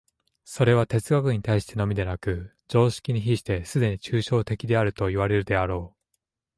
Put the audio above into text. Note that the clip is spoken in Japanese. それは哲学に対してのみでなく、常識に比してすでに抽象的であるといわれるであろう。